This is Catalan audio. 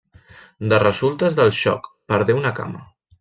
De resultes del xoc perdé una cama.